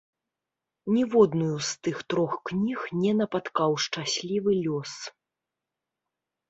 Ніводную з тых трох кніг не напаткаў шчаслівы лёс.